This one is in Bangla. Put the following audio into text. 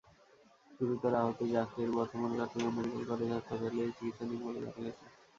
গুরুতর আহত জাকের বর্তমানে চট্টগ্রাম মেডিকেল কলেজ হাসপাতালে চিকিৎসাধীন বলে জানা গেছে।